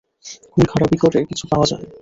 খুন খারাবি করে কিছু পাওয়া যায় না।